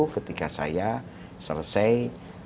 ketika saya selesai